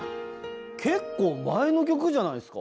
結構前の曲じゃないですか？